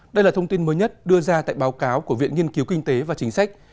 đây là thông tin mới nhất đưa ra tại báo cáo của viện nghiên cứu kinh tế và chính sách